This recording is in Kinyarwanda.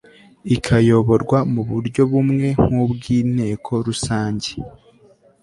ikayoborwa mu buryo bumwe nk ubw inteko rusange